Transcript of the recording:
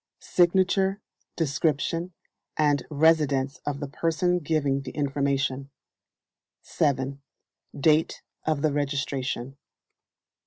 Signature, description, and residence of the person giving the information. 7. Date of the registration.